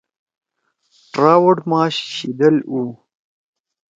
ٹراوٹ ماش شیدل اُو